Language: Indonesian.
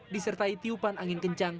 disertai tiupan angin kencang